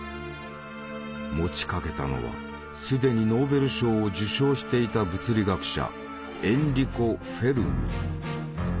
持ちかけたのは既にノーベル賞を受賞していた物理学者エンリコ・フェルミ。